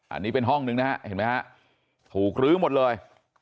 อันนี้เป็นห้องนึงนะฮะเห็นไหมฮะถูกลื้อหมดเลย